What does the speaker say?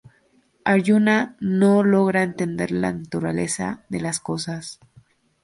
Aryuna no logra entender la naturaleza de las cosas.